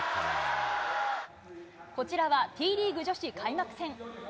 こちらはＴリーグ女子開幕戦。